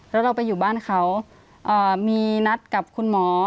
แล้วเราไปอยู่บ้านเขามีนัดกับคุณหมอ